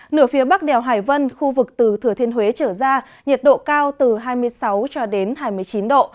nửa phía bắc đèo hải vân khu vực từ thừa thiên huế trở ra nhiệt độ cao từ hai mươi sáu cho đến hai mươi chín độ